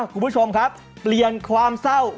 คุณผู้ชมครับเปลี่ยนความเศร้า